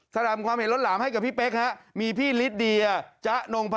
กระหน่ำความเห็นล้นหลามให้กับพี่เพ๊กฮะ